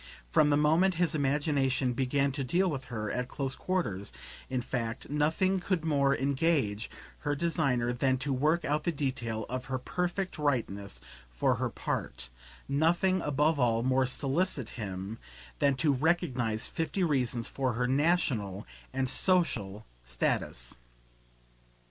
From the moment his imagination began to deal with her at close quarters, in fact, nothing could more engage her designer than to work out the detail of her perfect rightness for her part; nothing above all more solicit him than to recognise fifty reasons for her national and social status.